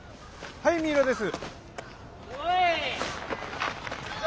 はい三浦です。